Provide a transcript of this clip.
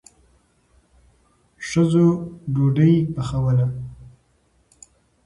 ښځو ډوډۍ پخوله.